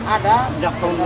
ada sejak tahun dua ribu